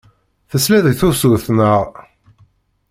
Tesliḍ i tusut, naɣ?